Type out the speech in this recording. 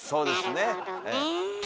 なるほどね。